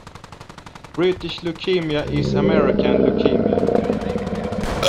British leukaemia is American leukemia.